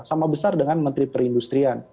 sama besar dengan menteri perindustrian